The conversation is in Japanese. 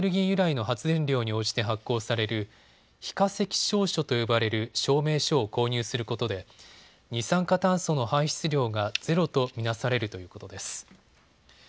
由来の発電量に応じて発行される非化石証書と呼ばれる証明書を購入することで二酸化炭素の排出量がゼロと見なされるということです。